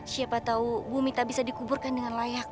siapa tahu bu mita bisa dikuburkan dengan layak